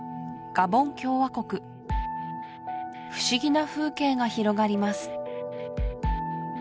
ガボン共和国不思議な風景が広がります